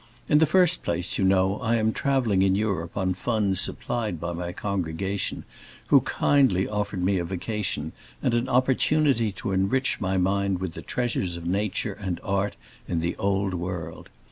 In the first place, you know, I am traveling in Europe on funds supplied by my congregation, who kindly offered me a vacation and an opportunity to enrich my mind with the treasures of nature and art in the Old World.